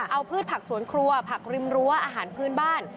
เอาพืชผักสวนครัวผักริมรั้วอาหารพื้นบ้าน